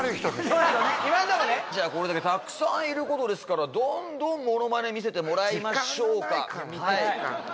じゃあこれだけたくさんいることですからどんどんものまね見せてもらいましょうか時間がないからね時間が！